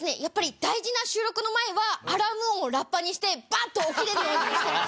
やっぱり大事な収録の前はアラーム音をラッパにしてバッと起きれるようにしてます。